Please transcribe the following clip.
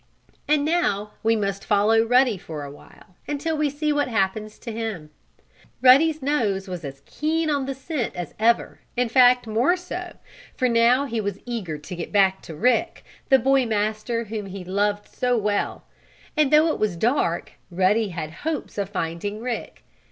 And now we must follow Ruddy for a while, until we see what happens to him. Ruddy's nose was as keen on the scent as ever, in fact more so, for now he was eager to get back to Rick, the boy master whom he loved so well. And, though it was dark, Ruddy had hopes of finding Rick.